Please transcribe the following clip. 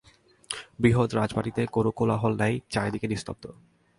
বৃহৎ রাজবাটিতে কোন কোলাহল নাই, চারিদিক নিস্তব্ধ।